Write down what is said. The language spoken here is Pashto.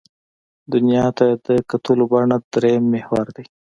دنیا ته د کتلو بڼه درېیم محور دی.